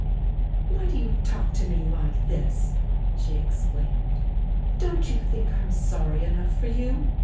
"Why do you talk to me hke this?" she ex claimed. "Don't you think I'm sorry enough for you?